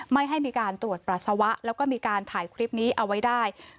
ไม่ให้มีการตรวจปัสสาวะแล้วก็มีการถ่ายคลิปนี้เอาไว้ได้